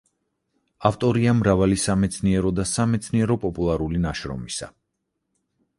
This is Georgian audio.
ავტორია მრავალი სამეცნიერო და სამეცნიერო-პოპულარული ნაშრომისა.